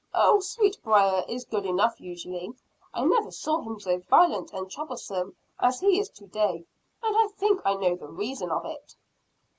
"Oh, Sweetbriar is good enough usually. I never saw him so violent and troublesome as he is to day. And I think I know the reason of it."